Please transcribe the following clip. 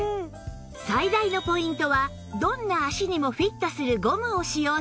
最大のポイントはどんな足にもフィットするゴムを使用している事